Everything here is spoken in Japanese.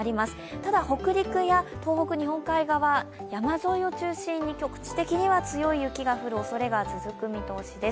ただ、北陸や東北、日本海側、山沿いを中心に局地位的には強い雪が降るおそれが続く見通しです。